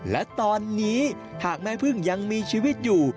และตอนนี้หากแม่พึ่งยังมีชีวิตอยู่